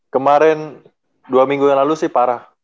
kemarin dua minggu yang lalu sih parah